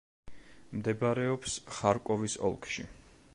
მდებარეობს ხარკოვის ოლქში.